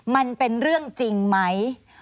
มันเป็นเรื่องจริงไหม